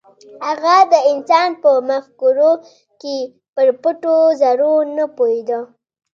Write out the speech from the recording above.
هغه د انسان په مفکورو کې پر پټو زرو نه پوهېده.